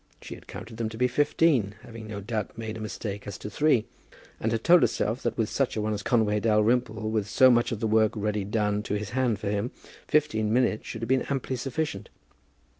She had counted them to be fifteen, having no doubt made a mistake as to three, and had told herself that with such a one as Conway Dalrymple, with so much of the work ready done to his hand for him, fifteen minutes should have been amply sufficient.